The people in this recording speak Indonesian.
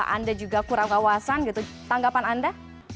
anda juga kurang wawasan gitu tanggapan anda